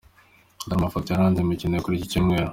dore amafota yaranze imikino yo kuri icyi cyumweru